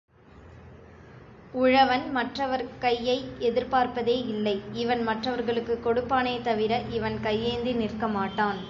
உழவன் மற்றவர் கையை எதிர்பார்ப்பதே இல்லை இவன் மற்றவர்களுக்குக் கொடுப்பானே தவிர, இவன் கையேந்தி நிற்கமாட்டான்.